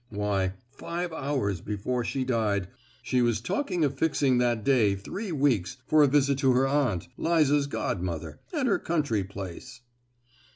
Why, five hours before she died she was talking of fixing that day three weeks for a visit to her Aunt, Liza's godmother, at her country place!"